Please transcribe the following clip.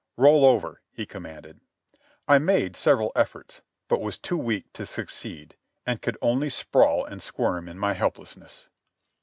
"Roll over," he commanded. I made several efforts, but was too weak to succeed, and could only sprawl and squirm in my helplessness.